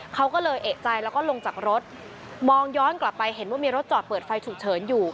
เขาก็เลยเอกใจแล้วก็ลงจากรถมองย้อนกลับไปเห็นว่ามีรถจอดเปิดไฟฉุกเฉินอยู่